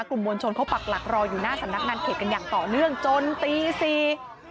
กลุ่มมวลชนเขาปักหลักรออยู่หน้าสำนักงานเขตกันอย่างต่อเนื่องจนตีสี่